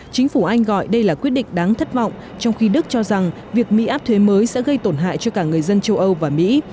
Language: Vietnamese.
chính phủ anh gọi đây là quyết định đáng thất vọng trong khi đức cho rằng việc mỹ áp thuế mới sẽ gây tổn hại cho cả người dân châu âu và mỹ